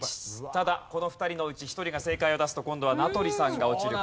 ただこの２人のうち１人が正解を出すと今度は名取さんが落ちる事になる。